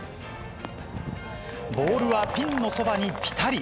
ボールはピンのそばにぴたり。